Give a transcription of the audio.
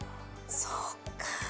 そっかぁ。